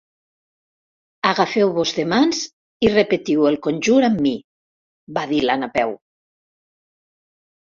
Agafeu-vos de mans i repetiu el conjur amb mi —va dir la Napeu.